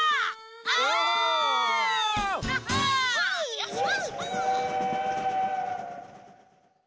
よいしょ。